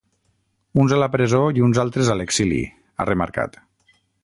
Uns a la presó i uns altres a l’exili, ha remarcat.